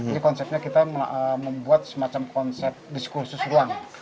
jadi konsepnya kita membuat semacam konsep diskursus ruang